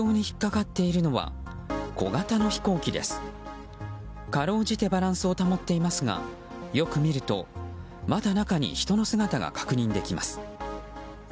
かろうじてバランスを保っていますがよく見ると、まだ中に人の姿が確認できます。